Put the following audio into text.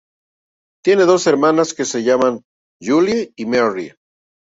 Tiene dos hermanas que se llaman Julie y Marie.